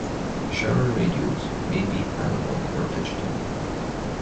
Shower radios may be analog or digital.